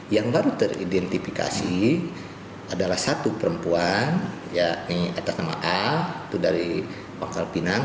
yang baru teridentifikasi adalah satu perempuan yakni atas nama a itu dari pangkal pinang